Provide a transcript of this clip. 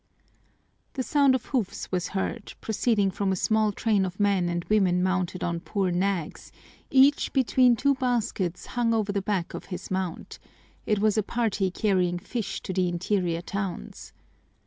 The sound of hoofs was heard, proceeding from a small train of men and women mounted on poor nags, each between two baskets hung over the back of his mount; it was a party carrying fish to the interior towns.